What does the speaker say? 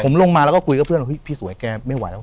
ผมลงมาแล้วก็คุยกับเพื่อนพี่สวยแกไม่ไหว